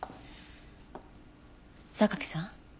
榊さん